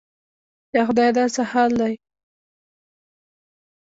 یا خدایه دا څه حال دی؟